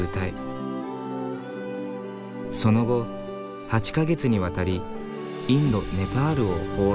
その後８か月にわたりインドネパールを放浪。